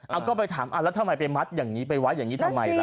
เอาก็ไปถามแล้วทำไมไปมัดอย่างนี้ไปไว้อย่างนี้ทำไมล่ะ